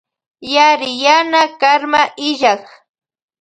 Yariyana karma illak.